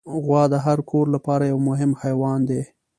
غوا د هر کور لپاره یو مهم حیوان دی.